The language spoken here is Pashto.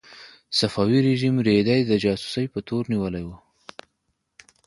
صفوي رژیم رېدی د جاسوسۍ په تور نیولی و.